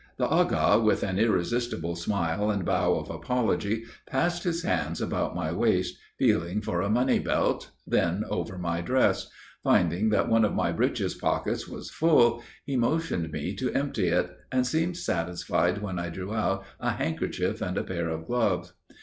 The Agha, with an irresistible smile and bow of apology, passed his hand about my waist, feeling for a money belt, then over my dress; finding that one of my breeches' pockets was full, he motioned me to empty it, and seemed satisfied when I drew out a handkerchief and a pair of gloves.